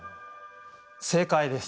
正解です。